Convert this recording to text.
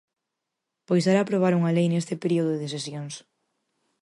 Pois era aprobar unha lei neste período de sesións.